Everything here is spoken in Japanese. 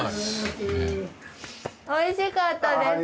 美味しかったです。